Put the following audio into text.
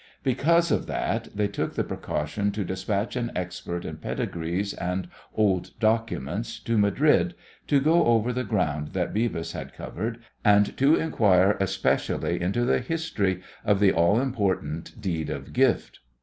Because of that they took the precaution to despatch an expert in pedigrees and old documents to Madrid, to go over the ground that Beavis had covered and to inquire especially into the history of the all important deed of gift.